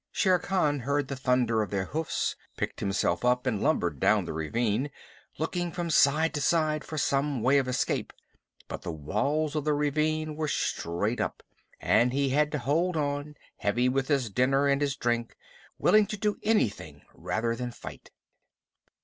Shere Khan heard the thunder of their hoofs, picked himself up, and lumbered down the ravine, looking from side to side for some way of escape, but the walls of the ravine were straight and he had to hold on, heavy with his dinner and his drink, willing to do anything rather than fight.